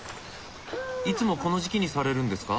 いつもこの時期にされるんですか？